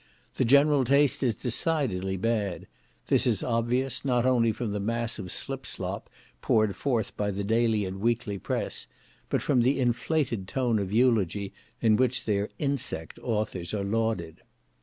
The general taste is decidedly bad; this is obvious, not only from the mass of slip slop poured forth by the daily and weekly press, but from the inflated tone of eulogy in which their insect authors are lauded.